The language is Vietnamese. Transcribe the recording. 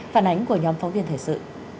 phản ánh của nhóm phóng viên thời sự